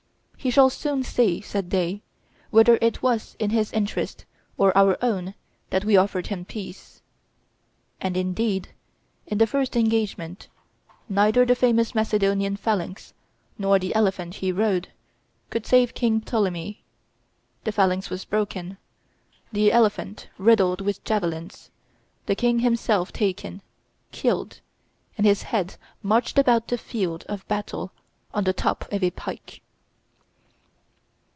"He shall soon see," said they, "whether it was in his interest or our own that we offered him peace." And, indeed, in the first engagement, neither the famous Macedonian phalanx, nor the elephant he rode, could save King Ptolemy; the phalanx was broken, the elephant riddled with javelins, the king himself taken, killed, and his head marched about the field of battle on the top of a pike.